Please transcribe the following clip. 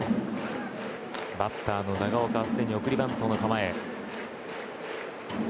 バッターの長岡はすでに送りバントの構え。